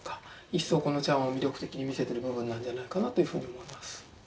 一層この茶碗を魅力的に見せている部分なんじゃないかなというふうに思います。